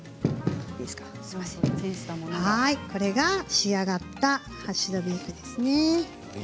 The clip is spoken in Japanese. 仕上がったハッシュドビーフです。